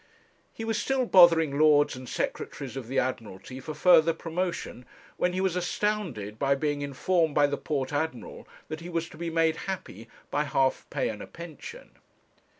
He was still bothering Lords and Secretaries of the Admiralty for further promotion, when he was astounded by being informed by the Port Admiral that he was to be made happy by half pay and a pension.